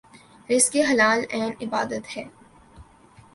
رزق حلال عین عبادت ہے